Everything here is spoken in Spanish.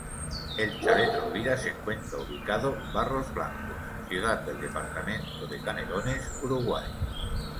El Chalet Rovira se encuentra ubicado Barros Blancos, ciudad del departamento de Canelones, Uruguay.